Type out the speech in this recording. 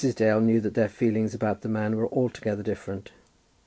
Dale knew that their feelings about the man were altogether different.